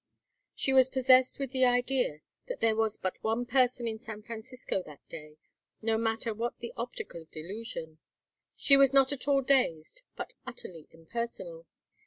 She was possessed with the idea that there was but one person in San Francisco that day, no matter what the optical delusion. She was not at all dazed, but utterly impersonal.